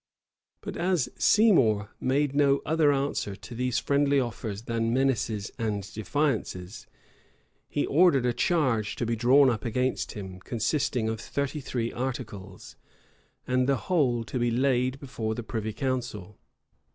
But as Seymour made no other answer to these friendly offers than menaces and defiances, he ordered a charge to be drawn up against him, consisting of thirty three articles;[*] and the whole to be laid before the privy council.